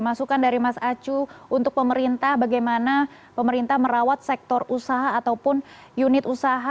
masukan dari mas acu untuk pemerintah bagaimana pemerintah merawat sektor usaha ataupun unit usaha